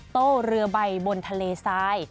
โต้เรือใบบนทะเลทราย